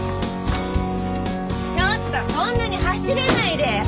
ちょっとそんなに走らないで。